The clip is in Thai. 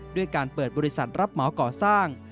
ด้วยการเปิดบริษัทรับเหมาก่อสร้าง